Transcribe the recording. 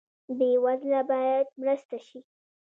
بې وزله باید مرسته شي